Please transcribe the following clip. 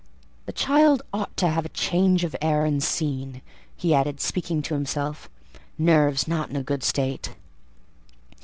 "The child ought to have change of air and scene," he added, speaking to himself; "nerves not in a good state."